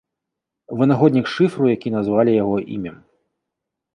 Вынаходнік шыфру, які назвалі яго імем.